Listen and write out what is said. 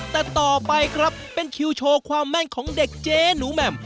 แต่ต่อไปครับเป็นคิวโชว์ความแม่นของเด็กเจ๊หนูแหม่ม